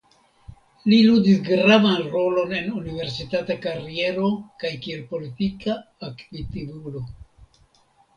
Li ludis gravan rolon en universitata kariero kaj kiel politika aktivulo.